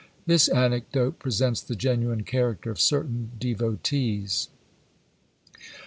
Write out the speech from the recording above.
This anecdote presents the genuine character of certain devotees.